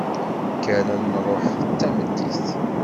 Kker ad nṛuḥ d tameddit.